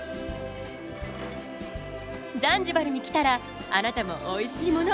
ザンジバルに来たらあなたもおいしいもの